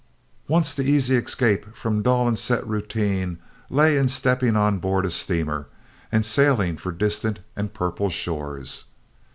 Once the easy escape from dull and set routine lay in stepping on board a steamer and sailing for distant and purple shores.